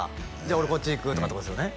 俺こっち行くとかってことですよね